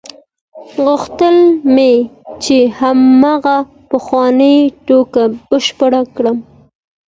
غوښتل مې چې هماغه پخوانۍ ټوکه بشپړه کړم.